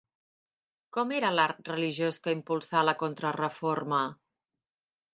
Com era l'art religiós que impulsà la Contrareforma?